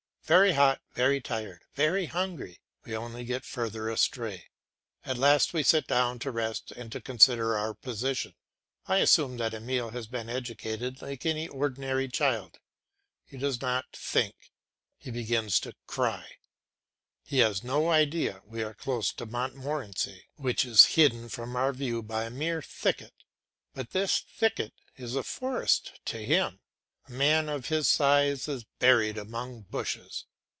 Very hot, very tired, very hungry, we only get further astray. At last we sit down to rest and to consider our position. I assume that Emile has been educated like an ordinary child. He does not think, he begins to cry; he has no idea we are close to Montmorency, which is hidden from our view by a mere thicket; but this thicket is a forest to him, a man of his size is buried among bushes.